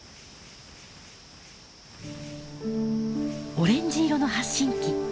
オレンジ色の発信器。